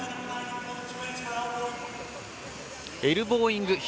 エルボーイング。